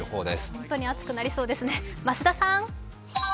本当に暑くなりそうですね、増田さん。